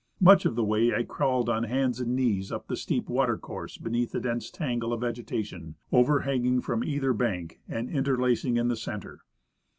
Much of the Avay I crawled on hands and knees up the steep watercourse beneath the dense tangle of vegetation overhanging from either bank and interlacing in the center.